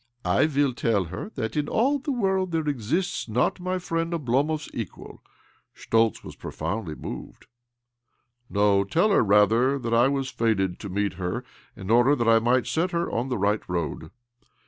" I will tell her that in all the world there exists not my friend Oblomov's equal." Schtoltz was profoundly moved. " No, tell her, rather, that I was fated to meet her, in order that I might set her on the right road.